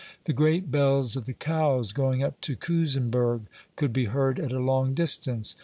The great bells of the cows going up to Kousin berg could be heard at a long distance.